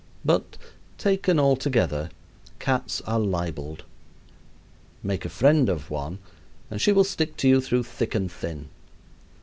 But, taken altogether, cats are libeled. Make a friend of one, and she will stick to you through thick and thin.